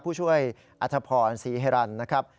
ผู้ช่วยอัธพรศรีเฮรันนะครับ